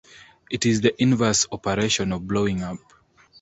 It is the inverse operation of blowing up.